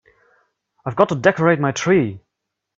I've got to decorate my tree.